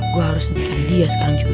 gue harus netikan dia sekarang juga